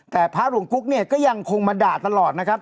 แต่พระหลวงกุ๊กเนี่ยก็ยังคงมาด่าตลอดนะครับ